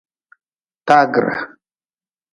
Taagre.